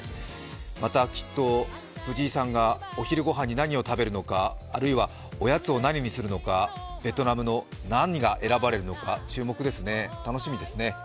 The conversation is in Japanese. またきっと藤井さんがお昼ご飯に何を食べるのかあるいはおやつは何にするのかベトナムの何が選ばれるのか注目ですね、楽しみですね。